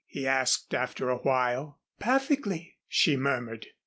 he asked after awhile. "Perfectly," she murmured.